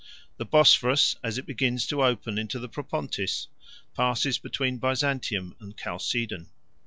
The Bosphorus, as it begins to open into the Propontis, passes between Byzantium and Chalcedon.